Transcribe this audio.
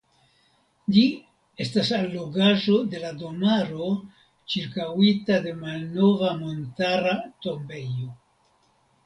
Ĝi estas allogaĵo de la domaro (ĉirkaŭita de malnova montara tombejo).